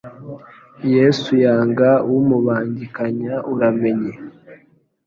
yesu yanga umubangikanya uramenye